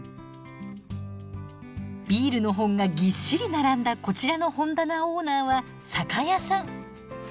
ビールの本がぎっしり並んだこちらの本棚オーナーは酒屋さん。